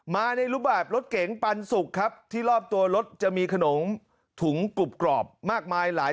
มาในรูปบาทรถเก๋งปันสุกครับที่รอบตัวรถจะมีขนมถุงกรูปมากมาย